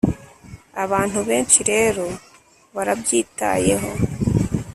abantu benshi rero barabyitayeho,